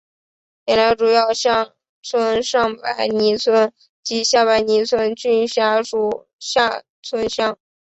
两条主要乡村上白泥村及下白泥村均辖属厦村乡。